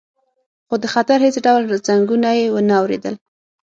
خو د خطر هیڅ ډول زنګونه یې ونه اوریدل